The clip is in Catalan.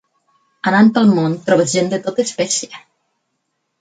Anant pel món trobes gent de tota espècie.